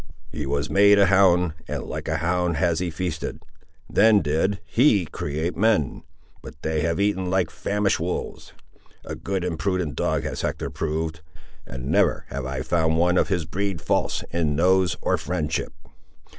He was made a hound, and like a hound has he feasted. Then did He create men; but they have eaten like famished wolves! A good and prudent dog has Hector proved, and never have I found one of his breed false in nose or friendship.